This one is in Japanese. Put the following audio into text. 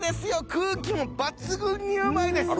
空気も抜群にうまいです！